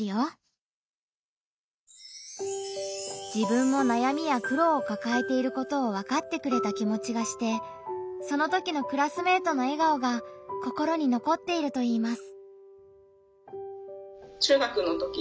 自分も悩みや苦労をかかえていることを分かってくれた気持ちがしてそのときのクラスメートの笑顔が心に残っているといいます。